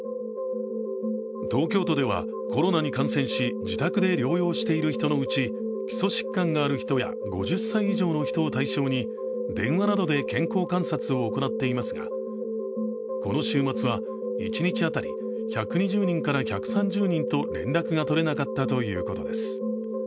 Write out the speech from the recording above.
東京都ではコロナに感染し自宅で療養している人のうち基礎疾患がある人や５０歳以上の人を対象に電話などで健康観察を行っていますが、この週末は一日当たり、１２０から１３０人と連絡が取れなかったということです。